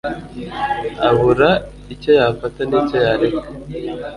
abura icyo yafata n'icyo yareka